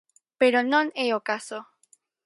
Pero non é o caso.